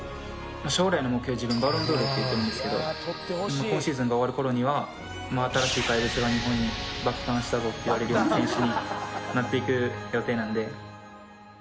将来の目標は自分バロンドールって言ってるんですけど今シーズンが終わる頃には新しい怪物が日本に爆誕したぞって言われるような選手になっていく予定なんで。